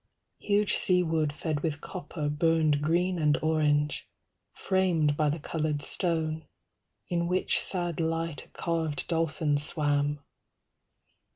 Huge sea wood fed with copper Burned green and orange, framed by the coloured stone, In which sad light a carvèd dolphin swam.